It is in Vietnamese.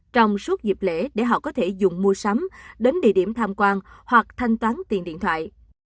trong suốt dịp lễ để họ có thể dùng mua sắm đến địa điểm tham quan hoặc thanh toán tiền điện thoại